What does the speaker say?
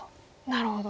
なるほど。